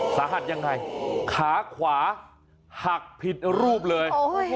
สาหัสยังไงขาขวาหักผิดรูปเลย